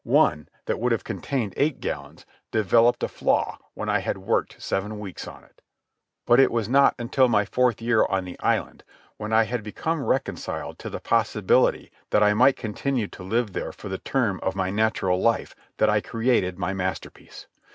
One, that would have contained eight gallons, developed a flaw when I had worked seven weeks on it. But it was not until my fourth year on the island, when I had become reconciled to the possibility that I might continue to live there for the term of my natural life, that I created my masterpiece.